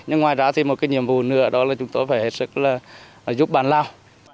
nhưng ngoài ra thì một cái nhiệm vụ nữa đó là chúng tôi phải hết sức là giúp bạn lào